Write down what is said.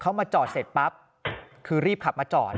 เขามาจอดเสร็จปั๊บคือรีบขับมาจอด